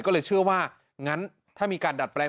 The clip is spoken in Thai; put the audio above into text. ก็เลยเชื่อว่างั้นถ้ามีการดัดแปลง